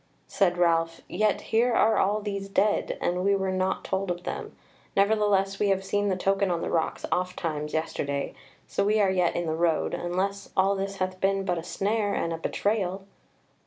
Said Ralph: "Yet here are all these dead, and we were not told of them, nevertheless we have seen the token on the rocks oft times yesterday, so we are yet in the road, unless all this hath been but a snare and a betrayal."